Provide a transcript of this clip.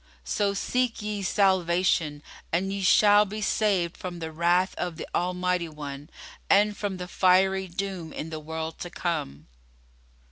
So seek ye Salvation and ye shall be saved from the wrath of the Almighty One and from the fiery doom in the world to come."